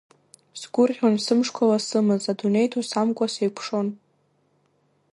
Сгәырӷьон сымшқәа ласымыз, адунеи ду самкуа сеикәшон.